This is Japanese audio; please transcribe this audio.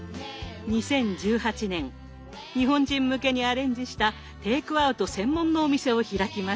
２０１８年日本人向けにアレンジしたテイクアウト専門のお店を開きました。